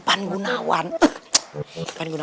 para rakan gua